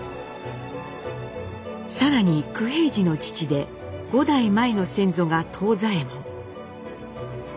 更に九平治の父で５代前の先祖が藤左ヱ門。